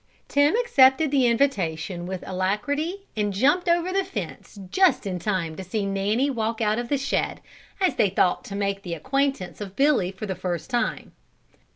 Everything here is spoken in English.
Tim accepted the invitation with alacrity and jumped over the fence just in time to see Nanny walk out of the shed, as they thought to make the acquaintance of Billy for the first time.